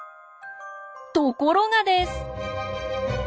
ところがです！